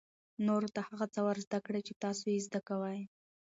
نورو ته هغه څه ور زده کړئ چې تاسو یې زده کوئ.